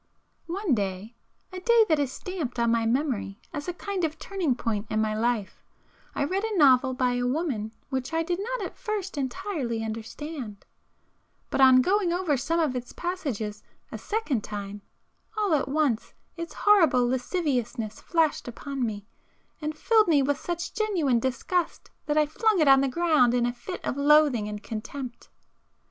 One day,—a day that is stamped on my memory as a kind of turning point in my life,—I read a novel by a woman which I did not at first entirely understand,—but on going over some of its passages a second time, all at once its horrible lasciviousness flashed upon me, and filled me with such genuine disgust that I flung it on the ground in a fit of loathing and contempt.